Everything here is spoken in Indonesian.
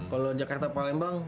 kalau jakarta palembang